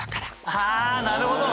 ああーなるほど！